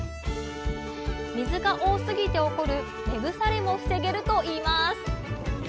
水が多すぎて起こる根腐れも防げるといいます